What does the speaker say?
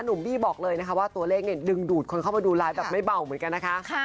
บี้บอกเลยนะคะว่าตัวเลขเนี่ยดึงดูดคนเข้ามาดูไลฟ์แบบไม่เบาเหมือนกันนะคะ